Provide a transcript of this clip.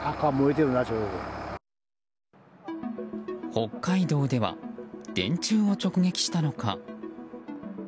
北海道では電柱を直撃したのか。